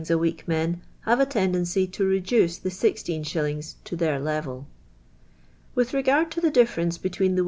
a wo<'k men have a tendency to reduce the IC^. to th«'ir I'.'vel. With recard to the diflference between the wa^'.'